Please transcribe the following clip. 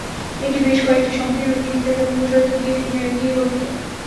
এটি বেশ কয়েকটি সংকীর্ণ গিরিখাত এবং প্রসারিত দিয়ে গঠিত।